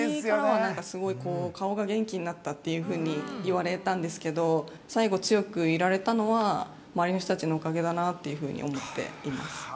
◆すごい顔が元気になったというふうに言われたんですけど最後強くいられたのは、周りの人たちのおかげだなって思っています。